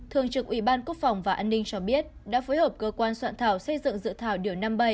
thường trực ủy ban quốc phòng và an ninh cho biết đã phối hợp cơ quan soạn thảo xây dựng dự thảo điều năm mươi bảy